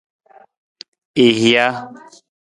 I hija.